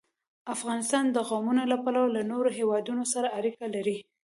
افغانستان د قومونه له پلوه له نورو هېوادونو سره اړیکې لري.